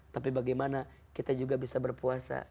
tapi bagaimana kita juga bisa berpuasa